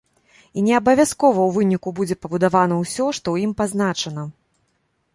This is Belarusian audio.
І не абавязкова ў выніку будзе пабудавана ўсё, што ў ім пазначана.